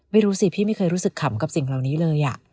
ไม่รู้สิพี่ไม่เคยรู้สึกขำกับสิ่งเหล่านี้เลย